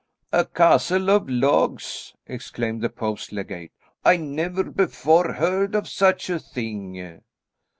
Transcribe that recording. "A castle of logs!" exclaimed the Pope's legate. "I never before heard of such a thing."